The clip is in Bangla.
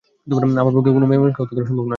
আমার পক্ষে কোনো মেয়েমানুষকে হত্যা করা সম্ভব নয়।